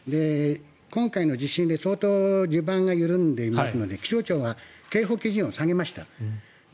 今回の地震で相当地盤が緩んでいますので気象庁は警報基準を下げました。